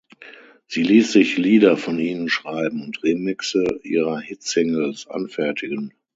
Sie ließ sich Lieder von ihnen schreiben und Remixe ihrer Hit-Singles anfertigen.